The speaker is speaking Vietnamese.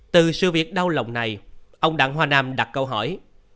từ sự việc đau lòng này ông đặng hoa nam đặt câu hỏi